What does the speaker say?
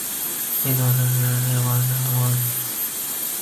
It was anchored by Carol Wang.